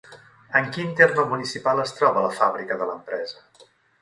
En quin terme municipal es troba la fàbrica de l'empresa?